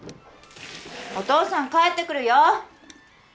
お父さん帰ってくるよ！